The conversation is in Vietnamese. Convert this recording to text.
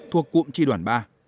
thuộc cụm tri đoàn ba